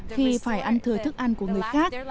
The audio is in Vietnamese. khi phải ăn thừa thức ăn của người khác